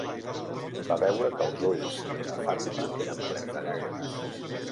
Va veure que els ulls de Fatima eren plens de llàgrimes.